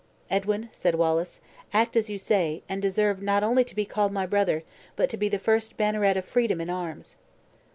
"Edwin," said Wallace, "act as you say; and deserve not only to be called my brother, but to be the first banneret of freedom in arms!"